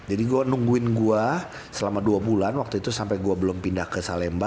jadi gue nungguin gue selama dua bulan waktu itu sampe gue belum pindah ke salemba